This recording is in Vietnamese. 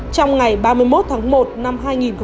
trong ngày ba mươi một tháng một năm hai nghìn một mươi chín